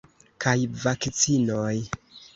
Kaj vakcinoj!